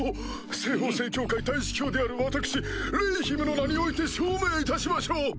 西方聖教会大司教である私レイヒムの名において証明いたしましょう！